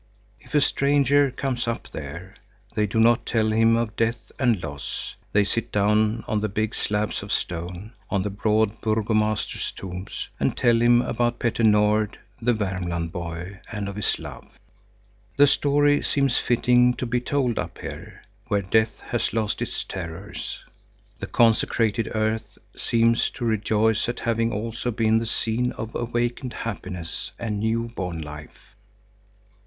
If a stranger comes up there, they do not tell him of death and loss; they sit down on the big slabs of stone, on the broad burgomaster tombs, and tell him about Petter Nord, the Värmland boy, and of his love. The story seems fitting to be told up here, where death has lost its terrors. The consecrated earth seems to rejoice at having also been the scene of awakened happiness and new born life.